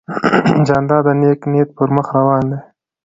جانداد د نیک نیت پر مخ روان دی.